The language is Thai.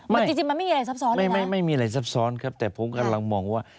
มันจริงมันไม่มีอะไรซับซ้อนไม่มีอะไรซับซ้อนครับแต่ผมกำลังมองว่า